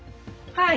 はい。